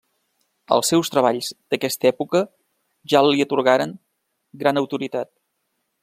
Els seus treballs d'aquesta època ja li atorgaren gran autoritat.